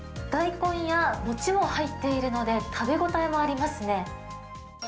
大根や餅も入っているので、食べ応えもありますね。